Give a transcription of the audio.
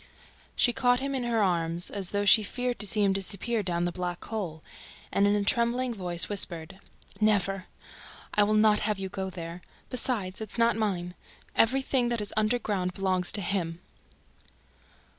She caught him in her arms, as though she feared to see him disappear down the black hole, and, in a trembling voice, whispered: "Never! ... I will not have you go there! ... Besides, it's not mine ... EVERYTHING THAT IS UNDERGROUND BELONGS TO HIM!"